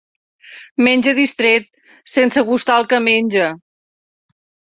Menja distret, sense gustar el que menja.